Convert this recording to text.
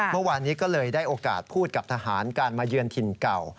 เมื่อวานนี้ก็เลยได้โอกาสพูดกับทหารการมาเยือนถิ่นเก่า